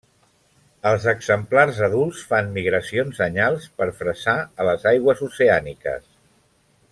Els exemplars adults fan migracions anyals per fresar a les aigües oceàniques.